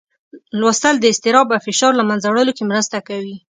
لوستل د اضطراب او فشار له منځه وړلو کې مرسته کوي.